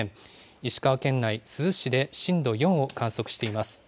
石川県内、珠洲市で震度４を観測しています。